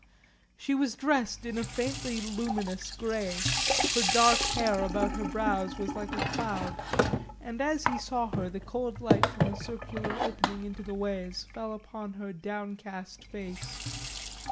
She was dressed in a faintly luminous grey, her dark hair about her brows was like a cloud, and as he saw her the cold light from the circular opening into the ways fell upon her downcast face.